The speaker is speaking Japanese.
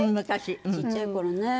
ちっちゃい頃ね。